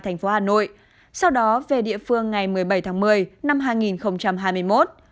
thành phố hà nội sau đó về địa phương ngày một mươi bảy tháng một mươi năm hai nghìn hai mươi một